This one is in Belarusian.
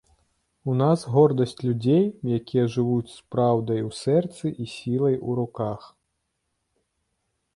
У нас гордасць людзей, якія жывуць з праўдай у сэрцы і сілай у руках.